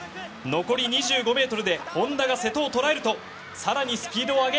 残り２５ｍで本多が瀬戸を捉えると更にスピードを上げ。